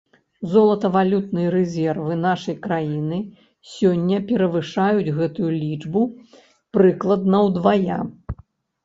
Золатавалютныя рэзервы нашай краіны сёння перавышаюць гэтую лічбу прыкладна ўдвая.